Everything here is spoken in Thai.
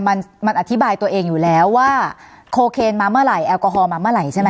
มันมันอธิบายตัวเองอยู่แล้วว่าโคเคนมาเมื่อไหร่แอลกอฮอลมาเมื่อไหร่ใช่ไหม